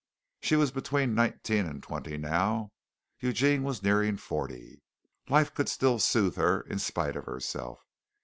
She was between nineteen and twenty now Eugene was nearing forty. Life could still soothe her in spite of herself.